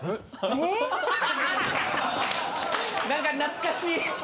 何かなつかしい。